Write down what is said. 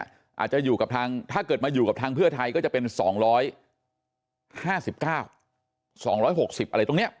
อาจจะอยู่กับทางถ้าเกิดมาอยู่กับทางเพื่อไทยก็จะเป็นสองร้อยห้าสิบเก้าสองร้อยหกสิบอะไรตรงเนี้ย